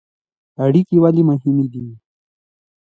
اړیکې ولې مهمې دي؟